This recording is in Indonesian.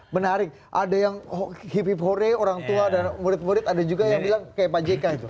menarik ada yang hip hip hore orang tua dan murid murid ada juga yang bilang kayak pak jk itu